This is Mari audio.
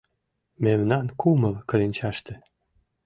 Мемнан кумыл кленчаште.